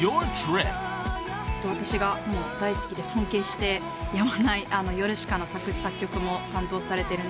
私が大好きで尊敬してやまないヨルシカの作詞作曲も担当されてるｎ−